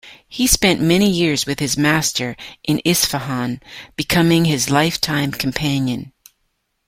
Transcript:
He spent many years with his master in Isfahan, becoming his lifetime companion.